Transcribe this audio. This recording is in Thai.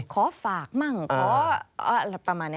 ขอฝากมั่งขออะไรประมาณนี้